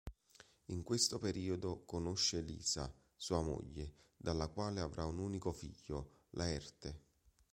In questo periodo conosce Lisa, sua moglie, dalla quale avrà un unico figlio, Laerte.